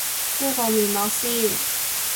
敷個面膜先